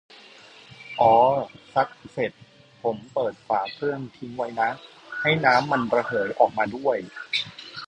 อ้อ ซักเสร็จผมเปิดฝาเครื่องทิ้งไว้นะ ให้น้ำมันระเหยออกมาด้วย